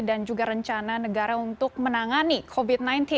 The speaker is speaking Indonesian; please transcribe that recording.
dan juga rencana negara untuk menangani covid sembilan belas